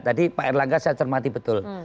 tadi pak erlangga saya cermati betul